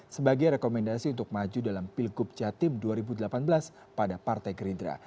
sebagai rekomendasi untuk maju dalam pilgub jatim dua ribu delapan belas pada partai gerindra